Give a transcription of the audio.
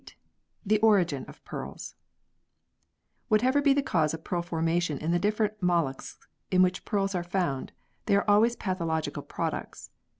CHAPTER VIII THE ORIGIN OF PEARLS WHATEVER be the cause of pearl formation in the different molluscs in which pearls are found, they are always pathological products.